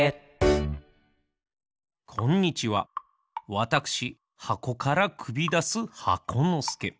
わたくしはこからくびだす箱のすけ。